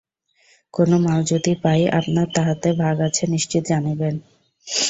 কোন মাল যদি পাই, আপনার তাহাতে ভাগ আছে নিশ্চিত জানিবেন।